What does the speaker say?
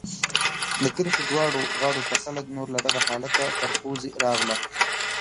د کرښې دواړو غاړو ته خلک نور له دغه حالته تر پوزې راغله.